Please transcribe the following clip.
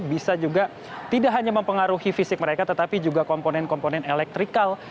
bisa juga tidak hanya mempengaruhi fisik mereka tetapi juga komponen komponen elektrikal